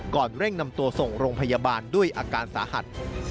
เร่งนำตัวส่งโรงพยาบาลด้วยอาการสาหัส